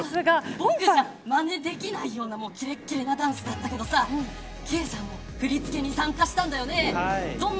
まねできないようなキレキレのダンスだったけどさＫさんも振り付けに参加したんだよね。